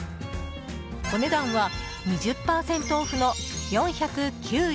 お値段は２０％オフの４０９円。